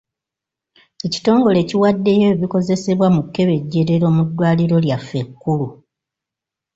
Ekitongole kiwaddeyo ebikozesebwa mu kkebejjerero mu ddwaliro lyaffe ekkulu.